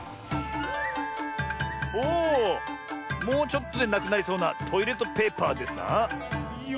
もうちょっとでなくなりそうなトイレットペーパーですな。